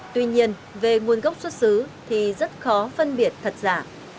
tuy nhiên về nguồn gốc xuất xứ thì rất khó phân biệt thật giả